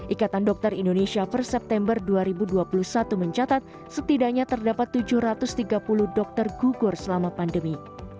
ikatan dokter indonesia per september dua ribu dua puluh satu mencatat setidaknya terdapat tujuh ratus tiga puluh dokter gugur selama pandemi